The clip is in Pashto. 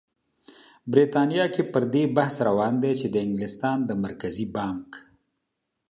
بریتانیا کې پر دې بحث روان دی چې د انګلستان د مرکزي بانک